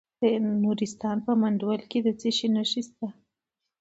د نورستان په مندول کې د څه شي نښې دي؟